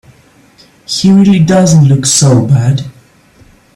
He really doesn't look so bad.